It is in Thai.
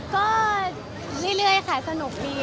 ก็เรื่อยค่ะสนุกดี